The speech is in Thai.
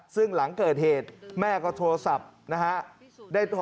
ซึ่งหลังเกิดเหตุแม่ก็โทรศัพท์นะฮะ